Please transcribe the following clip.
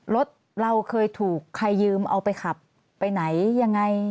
รถเราเคยถูกใครยืมเอาไปขับไปไหนยังไง